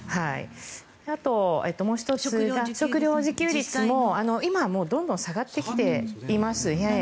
あと、もう１つ食料自給率も今はどんどん下がってきています。